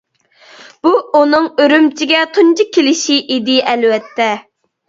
بۇ ئۇنىڭ ئۈرۈمچىگە تۇنجى كېلىشى ئىدى ئەلۋەتتە.